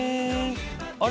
あれ？